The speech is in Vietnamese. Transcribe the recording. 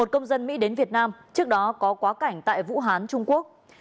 một công dân mỹ đến việt nam trước đó có quá cảnh tại vũ hán trung quốc